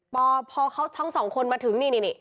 พอเขาทั้งสองคนมาถึงนี่